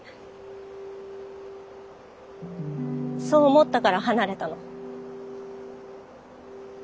そう思ったから離れたの。